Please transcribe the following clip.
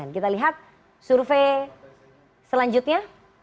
kita lihat survei selanjutnya